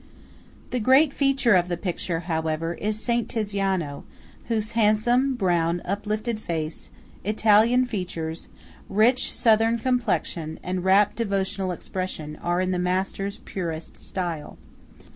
The great feature of the picture, however, is Saint Tiziano, whose handsome, brown, uplifted face, Italian features, rich Southern complexion, and wrapt devotional expression, are in the master's purest style.